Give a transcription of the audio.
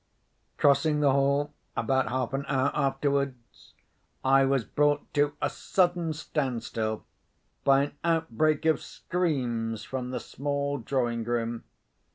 Crossing the hall, about half an hour afterwards, I was brought to a sudden standstill by an outbreak of screams from the small drawing room.